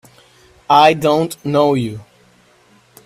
I don't know you!